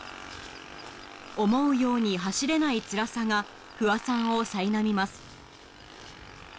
思うように走れないつらさが不破さんをさいなみます